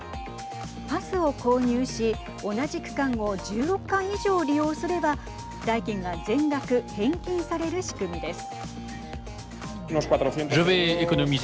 パスを購入し同じ区間を１６回以上利用すれば代金が全額返金される仕組みです。